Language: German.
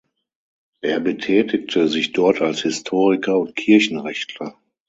Er betätigte sich dort als Historiker und Kirchenrechtler.